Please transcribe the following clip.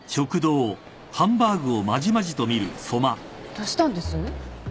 どうしたんです？